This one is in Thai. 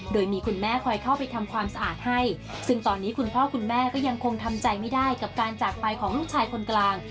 โดยมีคุณแม่คอยเข้าไปทำความสะอาดให้ซึ่งตอนนี้คุณพ่อคุณแม่ก็ยังคงทำใจไม่ได้กับการจากไปของลูกชายคนกลาง